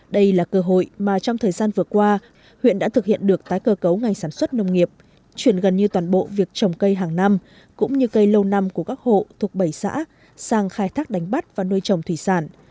đây là cơ hội mà trong thời gian vừa qua huyện đã thực hiện được tái cơ cấu ngành sản xuất nông nghiệp chuyển gần như toàn bộ việc trồng cây hàng năm cũng như cây lâu năm của các hộ thuộc bảy xã sang khai thác đánh bắt và nuôi trồng thủy sản